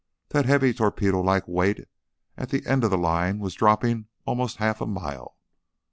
That heavy, torpedolike weight on the end of the line was dropping almost half a mile.